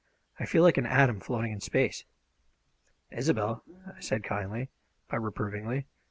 I feel like an atom floating in space." "Isobel!" I said kindly but reprovingly.